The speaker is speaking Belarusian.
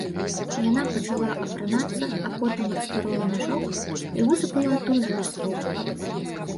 Яна пачала апранацца, а потым распарола мяшок і высыпала адтуль жарству.